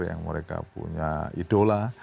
yang mereka punya idola